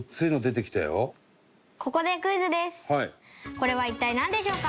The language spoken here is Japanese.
これは、一体なんでしょうか？